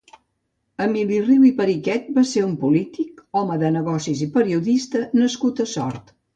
Emili Riu i Periquet va ser un polític, home de negocis i periodista nascut a Sort.